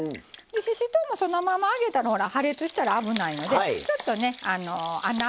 ししとうもそのまま揚げたらほら破裂したら危ないのでちょっとね穴あけといてくださいね。